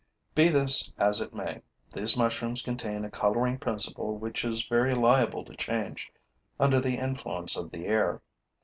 Be this as it may, these mushrooms contain a coloring principle which is very liable to change under the influence of the air.